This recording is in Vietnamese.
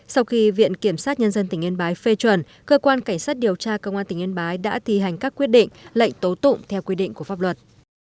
sau khi viện kiểm sát nhân dân tỉnh yên bái phê chuẩn cơ quan cảnh sát điều tra công an tỉnh yên bái đã thi hành các quyết định lệnh tố tụng theo quy định của pháp luật